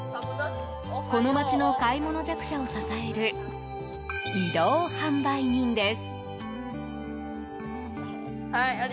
この町の買い物弱者を支える移動販売人です。